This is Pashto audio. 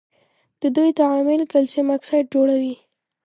د دوی تعامل کلسیم اکساید جوړوي.